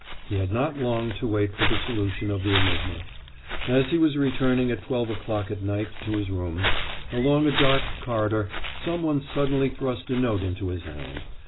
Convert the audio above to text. He had not long to wait for the solution of the enigma. As he was returning at twelve o'clock at night to his room, along a dark corridor, some one suddenly thrust a note into his hand.